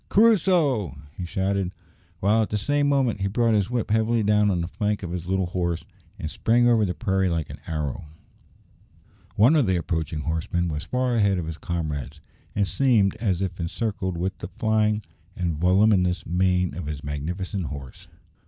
"Crusoe!" he shouted, while at the same moment he brought his whip heavily down on the flank of his little horse, and sprang over the prairie like an arrow. One of the approaching horsemen was far ahead of his comrades, and seemed as if encircled with the flying and voluminous mane of his magnificent horse.